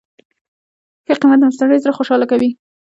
ښه قیمت د مشتری زړه خوشحاله کوي.